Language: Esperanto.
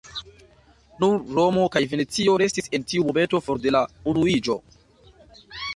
Nur Romo kaj Venecio restis en tiu momento for de la unuiĝo.